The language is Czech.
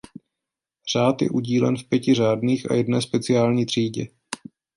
Řád je udílen v pěti řádných a jedné speciální třídě.